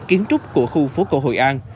kiến trúc của khu phố cổ hội an